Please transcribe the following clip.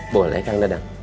boleh kang dadang